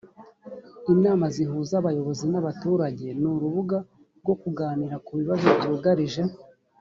inama zihuza abayobozi n’ abaturage ni urubuga rwo kuganira ku bibazo byugarije